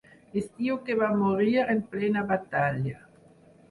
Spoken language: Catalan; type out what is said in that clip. Es diu que va morir en plena batalla.